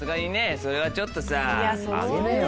それはちょっとさ。